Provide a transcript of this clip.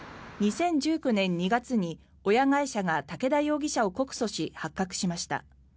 ２０１９年２月に親会社が竹田容疑者を告訴し発覚しました。